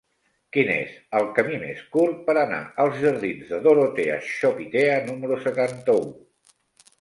Quin és el camí més curt per anar als jardins de Dorotea Chopitea número setanta-u?